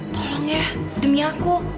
tolong ya demi aku